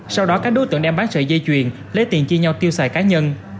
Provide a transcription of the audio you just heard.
sau đó các đối tượng đem bán sợi dây chuyền lấy tiền chia nhau tiêu xài cá nhân